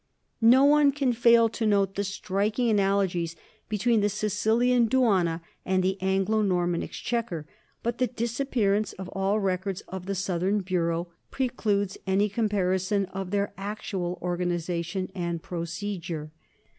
No one can fail to note the striking analo gies between the Sicilian duana and the Anglo Norman exchequer, but the disappearance of all records of the southern bureau precludes any comparison of their actual organization and procedure.